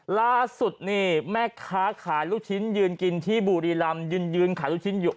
ล่าสุดนี่แม่ค้าขายลูกชิ้นยืนกินที่บุรีรำยืนยืนขายลูกชิ้นอยู่